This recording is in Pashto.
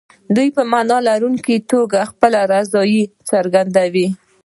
دوی په معنا لرونکي توګه خپله نارضايي څرګندوي.